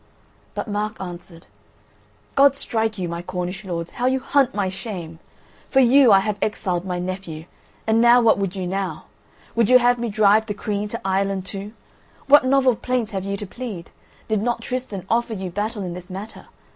But Mark answered: "God strike you, my Cornish lords, how you hunt my shame! For you have I exiled my nephew, and now what would you now? Would you have me drive the Queen to Ireland too? What novel plaints have you to plead? Did not Tristan offer you battle in this matter?